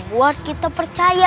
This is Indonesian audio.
buat kita percaya